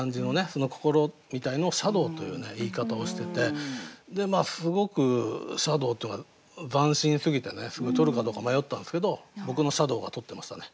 その心みたいのを「シャドウ」という言い方をしててすごく「シャドウ」というのが斬新すぎてねすごいとるかどうか迷ったんですけど僕のシャドウがとってましたね。